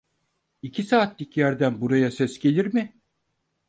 İki saatlik yerden buraya ses gelir mi?